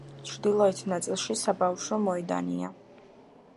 ჩრდილოეთ ნაწილში საბავშვო მოედანია.